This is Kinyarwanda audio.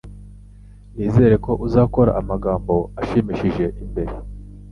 Nizere ko uzakora amagambo ashimishije imbere.